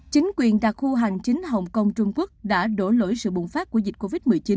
chính quyền đặc khu hành chính hồng kông trung quốc đã đổ lỗi sự bùng phát của dịch covid một mươi chín